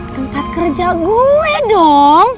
tempat kerja gue dong